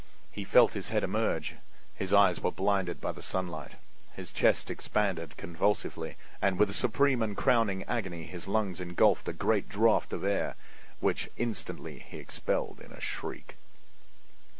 He felt his head emerge; his eyes were blinded by the sunlight; his chest expanded convulsively, and with a supreme and crowning agony his lungs engulfed a great draught of air, which instantly he expelled in a shriek!